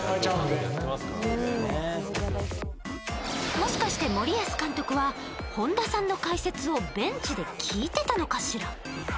もしかして森保監督は本田さんの解説をベンチで聞いてたのかしら？